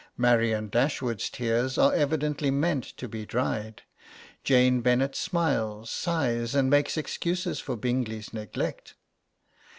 Marianne Dashwood's tears are evidently meant to be dried. Jane Bennet smiles, sighs and makes excuses for Bingley's neglect.